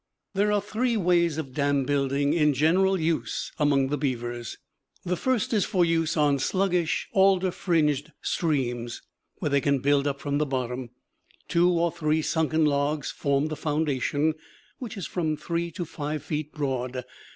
There are three ways of dam building in general use among the beavers. The first is for use on sluggish, alder fringed streams, where they can build up from the bottom. Two or three sunken logs form the foundation, which is from three to five feet broad.